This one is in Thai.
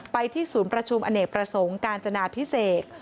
ไปที่ศูนย์ประชุมอเนกประสงค์กาญจนาพิเศษ